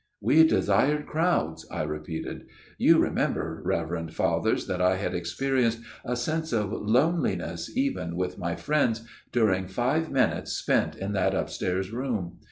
"' We desired crowds/ " I repeated. " You remember, Reverend Fathers, that I had experi enced a sense of loneliness even with my friends during five minutes spent in that upstairs room.